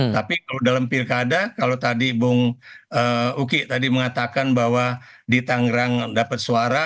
tapi kalau dalam pilkada kalau tadi bung uki tadi mengatakan bahwa di tangerang dapat suara